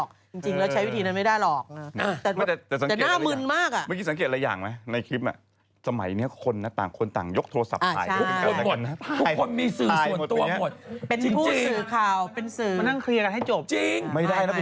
ก็เราเองยังต้องเอาข่าวมาจากโซเชียลเลย